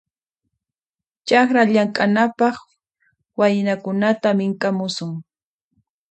Chakra llamk'anapaq waynakunata mink'amusun.